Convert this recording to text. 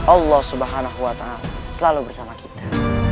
allah swt selalu bersama kita